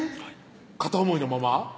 片想いのまま？